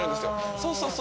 そうそう！